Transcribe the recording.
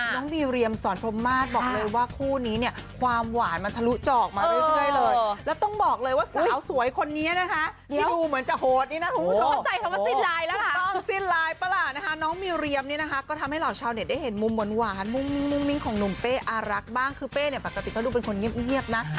น้องมีเรียมสอนพรหมาสบอกเลยว่าคู่นี้เนี่ยความหวานมันทะลุเจาะมาเรื่อยเลย